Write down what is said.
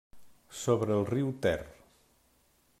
Sobre el riu Ter.